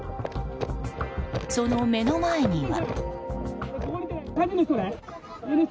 その目の前には。